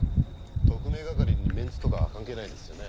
特命係にメンツとか関係ないですよね？